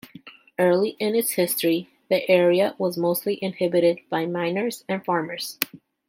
Early in its history, the area was mostly inhabited by miners and farmers.